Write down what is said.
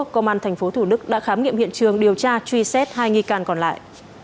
công an tp thủ đức đã khám nghiệm hiện trường điều tra truy xét hai nghi can còn lại